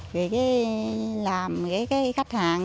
rồi làm khách hàng